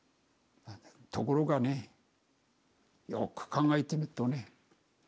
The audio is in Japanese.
ところがねよく考えてみっとね